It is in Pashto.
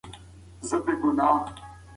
د ټولني قوانین باید مراعات سي.